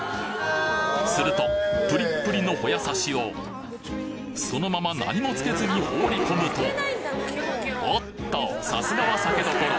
するとプリップリのホヤ刺しをそのまま何もつけずに放り込むとおっとさすがは酒どころ！